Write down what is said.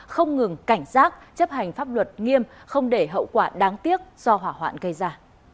không ngừng cảnh giác chấp hành pháp luật nghiêm không để hậu quả đáng tiếc do hỏa hoạn gây ra